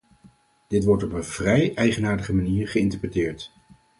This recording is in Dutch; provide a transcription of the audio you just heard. Dit wordt op een vrij eigenaardige manier geïnterpreteerd.